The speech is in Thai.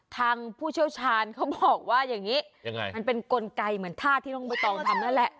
ผู้เชี่ยวชาญเขาบอกว่าอย่างนี้มันเป็นกลไกเหมือนท่าที่น้องใบตองทำนั่นแหละ